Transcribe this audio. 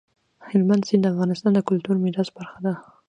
هلمند سیند د افغانستان د کلتوري میراث برخه ده.